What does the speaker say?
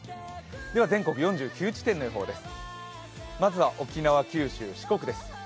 では、全国４９地点の予報です。